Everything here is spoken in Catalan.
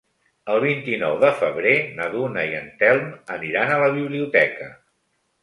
El vint-i-nou de febrer na Duna i en Telm aniran a la biblioteca.